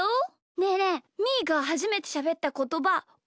ねえねえみーがはじめてしゃべったことばおぼえてる？